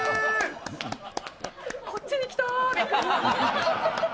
こっちにきた。